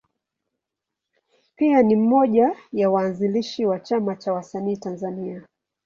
Pia ni mmoja ya waanzilishi wa Chama cha Wasanii Tanzania.